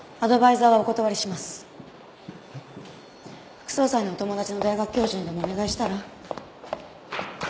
副総裁のお友達の大学教授にでもお願いしたら？